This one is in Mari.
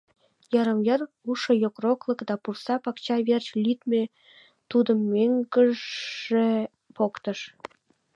Йырым-йыр улшо йокроклык да пурса пакча верч лӱдмӧ тудым мӧҥгыжӧ поктыш.